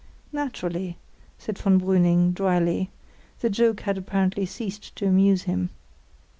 "Naturally," said von Brüning, dryly; the joke had apparently ceased to amuse him.